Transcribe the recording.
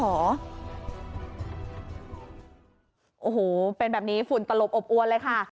โอ้โหเป็นแบบนี้ฝุ่นตลบอบอวนเลยค่ะ